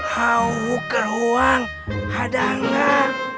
huker uang ada gak